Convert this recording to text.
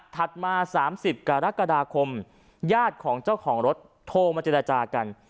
มา๓๐กรกฎาคมญาติของเจ้าของรถโทรมาเจรจากัน